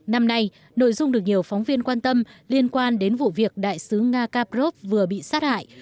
năm nay nội dung được nhiều phóng viên quan tâm liên quan đến vụ việc đại sứ nga caprov vừa bị sát hại